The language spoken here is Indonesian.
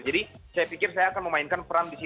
jadi saya pikir saya akan memainkan peran di situ